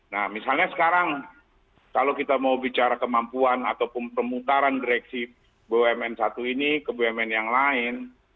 nah misalnya sekarang kalau kita mau bicara kemampuan ataupun pemutaran direksi bumn satu ini ke bumn yang lain